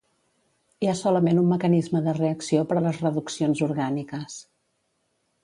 Hi ha solament un mecanisme de reacció per a les reduccions orgàniques.